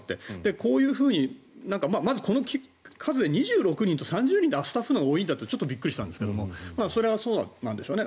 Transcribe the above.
こういうふうにまずこの数が２６人と３０人ってスタッフのほうが多いんだってのはびっくりしたんですがそれはそうなんでしょうね